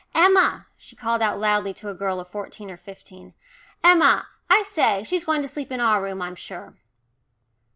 Emma," she called out loudly to a girl of fourteen or fifteen, "Emma, I say, she's going to sleep in our room I'm sure."